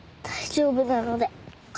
大丈夫なので。